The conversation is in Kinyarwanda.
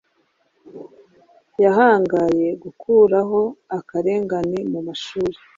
Yahangaye gukuraho akarengane mu mashuri